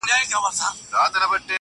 د محبت کچکول په غاړه وړم د ميني تر ښار -